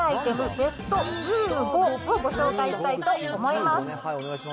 ベスト１５をご紹介したいと思います。